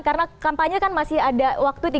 karena kampanye kan masih ada waktu